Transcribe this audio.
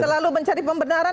ini selalu mencari pembenaran